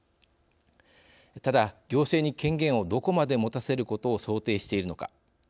ただ行政に権限をどこまで持たせることを想定しているのか。